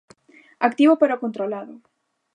"Activo pero controlado".